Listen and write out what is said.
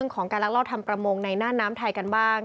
ของการลักลอบทำประมงในหน้าน้ำไทยกันบ้าง